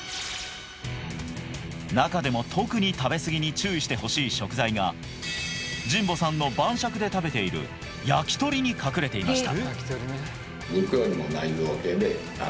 中でも特に食べ過ぎに注意してほしい食材が神保さんの晩酌で食べている焼き鳥に隠れていました